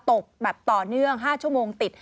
ตกแบบต่อเนื่อง๕ชั่วโมงติด